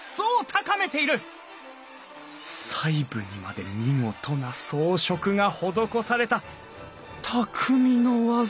細部にまで見事な装飾が施されたたくみの技！